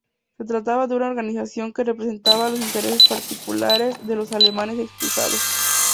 Se trataba de una organización que representaba los intereses particulares de los alemanes expulsados.